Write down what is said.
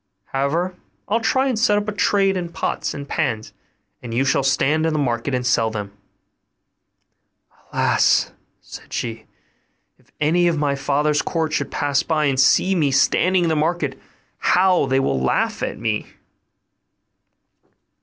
However, I'll try and set up a trade in pots and pans, and you shall stand in the market and sell them.' 'Alas!' sighed she, 'if any of my father's court should pass by and see me standing in the market, how they will laugh at me!